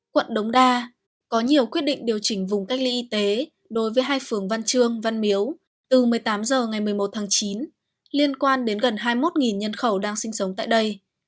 quận đống đa có nhiều quyết định điều chỉnh vùng cách ly y tế đối với hai phường văn trương văn miếu từ một mươi tám h ngày một mươi một tháng chín liên quan đến gần hai mươi một nhân khẩu đang sinh sống tại đây